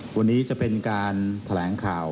วันนี้จะเป็นการแถลงข่าว